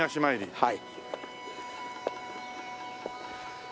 はい。